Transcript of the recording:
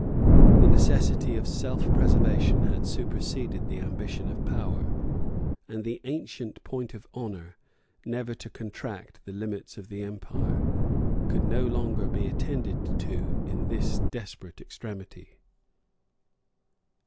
The necessity of self preservation had superseded the ambition of power; and the ancient point of honor, never to contract the limits of the empire, could no longer be attended to in this desperate extremity.